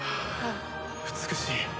美しい。